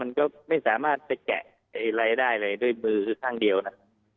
มันก็ไม่สามารถจะแกะอะไรได้เลยด้วยมือข้างเดียวนะ